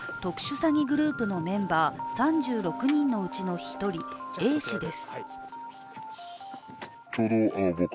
詐欺グループメンバー３６人のうちの１人Ａ氏です。